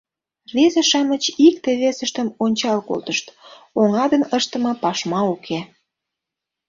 Рвезе-шамыч икте-весыштым ончал колтышт: она ден ыштыме пашма уке.